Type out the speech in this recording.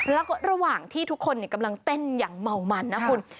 แล้วก็ระหว่างที่ทุกคนกำลังเต้นอย่างเมามันนะคุณ